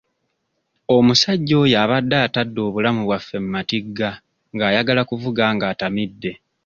Omusajja oyo abadde atadde obulamu bwaffe mu matigga ng'ayagala kuvuga ng'atamidde.